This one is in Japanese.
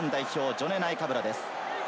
ジョネ・ナイカブラです。